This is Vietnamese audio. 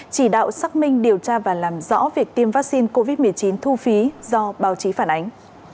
chỉ đạo xác minh điều tra và làm rõ việc tiêm vaccine covid một mươi chín thu phí do báo chí phản ánh